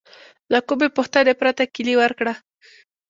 له کومې پوښتنې پرته کیلي ورکړه.